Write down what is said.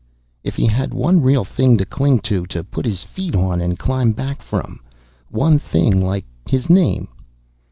If he had one real thing to cling to, to put his feet on and climb back from One thing like his name.